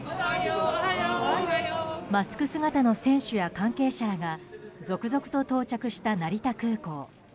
マスク姿の選手や関係者らが続々と到着した成田空港。